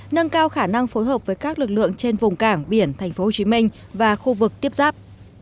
nâng cao khả năng phối hợp với các lực lượng trên vùng cảng biển tp hcm và khu vực tiếp giáp